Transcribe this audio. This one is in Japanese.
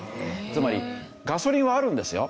つまりガソリンはあるんですよ。